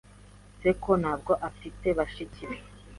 Seiko ntabwo afite bashiki be.